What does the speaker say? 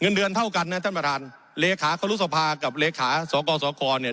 เงินเดือนเท่ากันนะท่านประธานเลขาครุสภากับเลขาสกสคเนี่ย